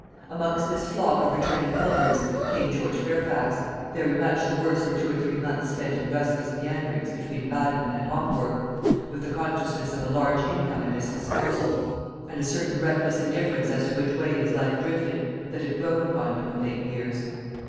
Amongst this flock of returning pilgrims came George Fairfax, very much the worse for two or three months spent in restless meanderings between Baden and Hombourg, with the consciousness of a large income at his disposal, and a certain reckless indifference as to which way his life drifted, that had grown upon him of late years.